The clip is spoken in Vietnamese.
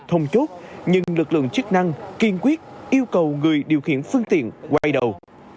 thông chốt nhưng lực lượng chức năng kiên quyết yêu cầu người điều khiển phương tiện quay đầu